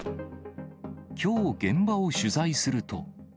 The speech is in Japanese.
きょう、現場を取材すると。